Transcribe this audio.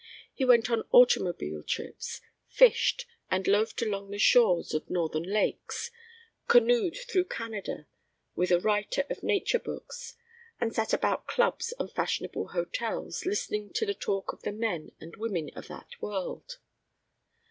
He went on automobile trips, fished and loafed along the shores of northern lakes, canoed through Canada with a writer of nature books, and sat about clubs and fashionable hotels listening to the talk of the men and women of that world.